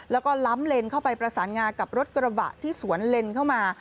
แล้วก็ล้ำเลนเข้าไปประสานงากับรถกระบะที่สวนเลนเข้ามา